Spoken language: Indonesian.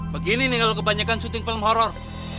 begini nih kalau kebanyakan syuting film horror